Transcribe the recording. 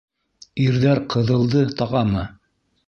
Ирҙәр ҡыҙылды тағамы?